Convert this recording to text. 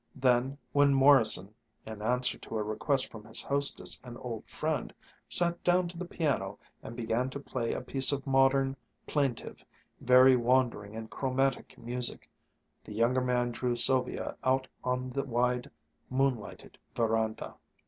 Then when Morrison, in answer to a request from his hostess and old friend, sat down to the piano and began to play a piece of modern, plaintive, very wandering and chromatic music, the younger man drew Sylvia out on the wide, moon lighted veranda.